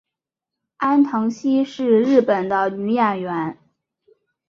安藤希是日本的女演员。